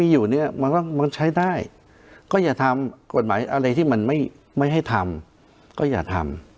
อยู่เนี่ยมันก็มันใช้ได้ก็อย่าทำกฎหมายอะไรที่มันไม่ให้ทำก็อย่าทำ